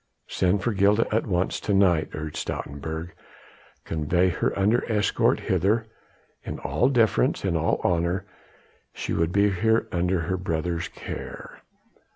"Send for Gilda at once, to night," urged Stoutenburg, "convey her under escort hither ... in all deference ... in all honour ... she would be here under her brother's care."